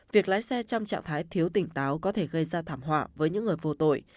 việc lái xe trong trạng thái thiếu tỉnh táo có thể gây ra thảm họa với những người vô tội